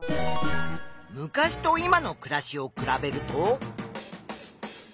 昔と今の暮らしを比べると。